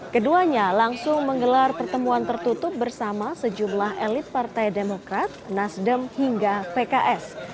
keduanya langsung menggelar pertemuan tertutup bersama sejumlah elit partai demokrat nasdem hingga pks